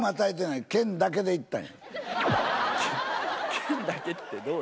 県だけって？